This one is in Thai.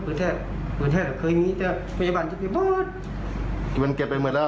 ภาพนี้เอามาจากไหนภาพนี้ผมจำไม่ได้รู้